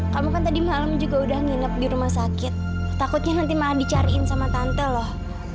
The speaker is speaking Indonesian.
kamu kan tadi malam juga udah nginep di rumah sakit takutnya nanti malah dicariin sama tante loh